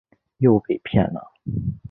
又被骗了